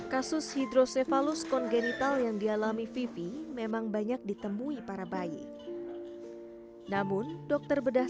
kasus hidrosefalus kongenital yang dialami vivi memang banyak ditemui para bayi namun dokter bedah